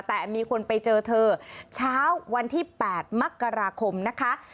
แต่มีคนไปเจอเธอเช้าวันที่๘มกราคมนะคะ